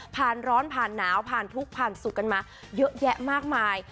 ผ่านร้อนผ่านหนาวผ่านทุกข์ผ่านสุขกันมาเยอะแยะมากมาย